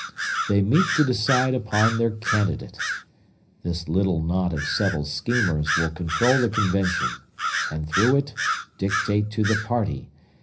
They meet to decide upon their candidate. This little knot of subtle schemers will control the convention, and, through it, dictate to the party.